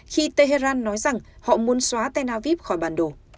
khi tehran nói rằng họ muốn xóa tên aviv khỏi bản đồ